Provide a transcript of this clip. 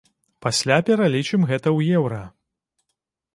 Пасля пералічым гэта ў еўра.